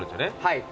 はい。